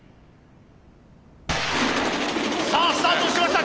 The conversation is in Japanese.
さあスタートしました！